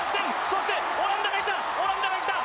そしてオランダが来た！